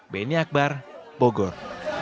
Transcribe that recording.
beni akbar bogor